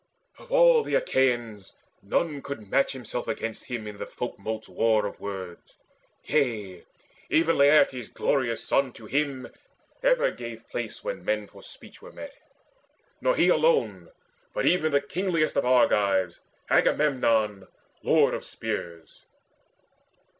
Of all the Achaeans none could match himself Against him in the folkmote's war of words; Yea, even Laertes' glorious son to him Ever gave place when men for speech were met; Nor he alone, but even the kingliest Of Argives, Agamemnon, lord of spears.